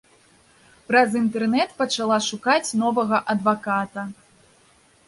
Праз інтэрнэт пачала шукаць новага адваката.